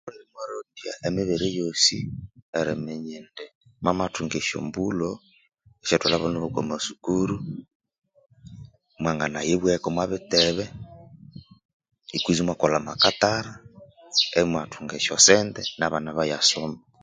Imwarongya emibere yoosi eriminya indi mwamathunga esyombulho syerithwalha abana okwa masukuru mwanginayibweka omwa bittebe kwenzi imwakolha amakattara imwathunga esyosente nabana ibayasoma